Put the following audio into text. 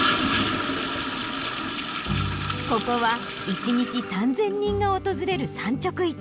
ここは１日３０００人が訪れる産直市。